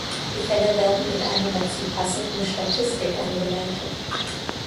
Die Fälle werden mit einer dazu passenden Statistik eingeleitet.